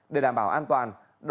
để đảm bảo an toàn